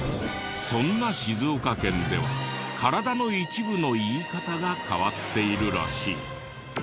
そんな静岡県では体の一部の言い方が変わっているらしい。